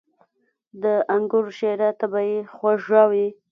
• د انګورو شیره طبیعي خوږه وي.